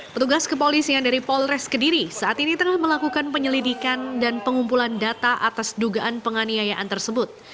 petugas kepolisian dari polres kediri saat ini tengah melakukan penyelidikan dan pengumpulan data atas dugaan penganiayaan tersebut